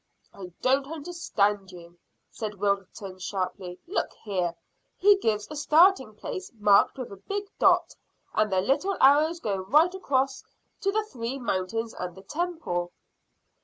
"I don't understand you," said Wilton sharply. "Look here, he gives a starting place marked with a big dot, and the little arrows go right across to the three mountains and the temple."